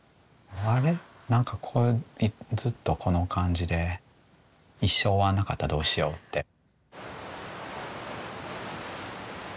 あれ何かこれずっとこの感じで一生終わんなかったらどうしよって。